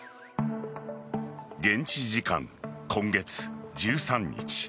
現地時間今月１３日